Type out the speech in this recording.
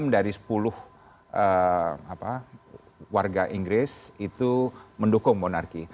enam dari sepuluh warga inggris itu mendukung monarki